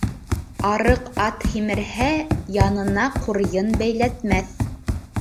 Арыҡ ат һимерһә, янына ҡурйын бәйләтмәҫ.